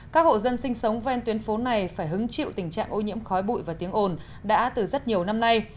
các hộ dân sinh sống ven tuyến phố này phải hứng chịu tình trạng ô nhiễm khói bụi và tiếng ồn đã từ rất nhiều năm nay